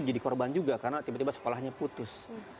jadi korban juga karena tiba tiba sekolahnya putus